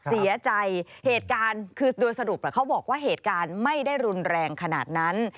เสียใจเหตุการณ์คือโดยสรุปเขาบอกว่าเหตุการณ์ไม่ได้รุนแรงขนาดนั้น